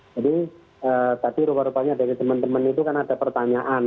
jadi tadi rupa rupanya dari teman teman itu kan ada pertanyaan